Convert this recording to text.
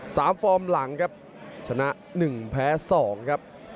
สามฟอร์มหลังครับชนะ๑แพ้๒ครับ